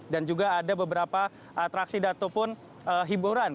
dan juga ada beberapa atraksi datupun hiburan